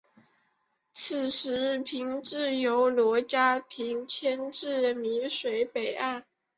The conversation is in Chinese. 此时县治由罗家坪迁至洣水北岸。